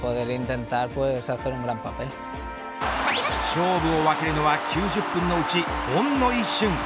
勝負を分けるのは９０分のうちほんの一瞬。